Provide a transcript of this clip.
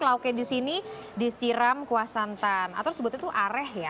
lauk yang disini disiram kuah santan atau sebut itu areh ya